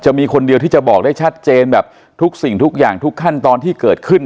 มีคนเดียวที่จะบอกได้ชัดเจนแบบทุกสิ่งทุกอย่างทุกขั้นตอนที่เกิดขึ้น